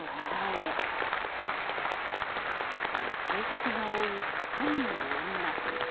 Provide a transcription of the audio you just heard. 警察が追う、犯人の女。